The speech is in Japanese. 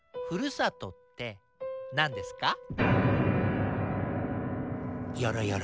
「ふるさとってなんですか」？